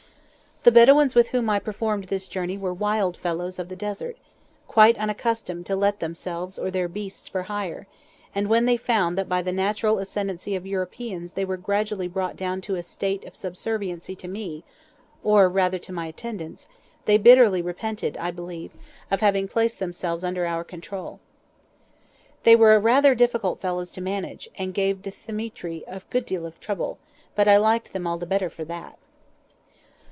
The Bedouins with whom I performed this journey were wild fellows of the Desert, quite unaccustomed to let out themselves or their beasts for hire, and when they found that by the natural ascendency of Europeans they were gradually brought down to a state of subserviency to me, or rather to my attendants, they bitterly repented, I believe, of having placed themselves under our control. They were rather difficult fellows to manage, and gave Dthemetri a good deal of trouble, but I liked them all the better for that.